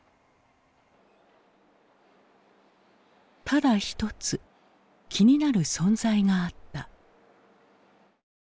ただ一つ気になる存在があった。